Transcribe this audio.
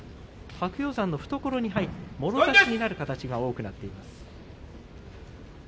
白鷹山の懐に入ってもろ差しになる形が多くなっています。